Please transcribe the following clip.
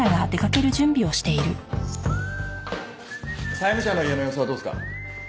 債務者の家の様子はどうすか？